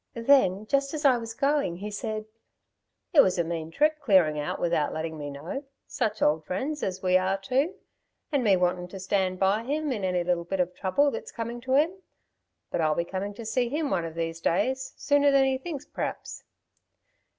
Then just as I was going, he said: 'It was a mean trick clearin' out without lettin' me know such old friends as we are too, and me wanting to stand by him in any little bit of trouble that's coming to him. But I'll be coming up to see him one of these days soon sooner than he thinks p'raps.'